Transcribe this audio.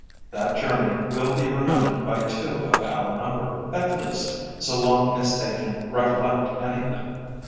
That journey will be remembered by two of our number, at least, so long as they can recollect anything.